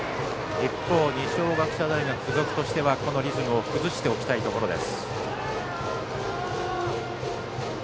一方二松学舎大付属としてはこのリズムを崩しておきたいところです。